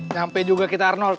nyampe juga kita arnold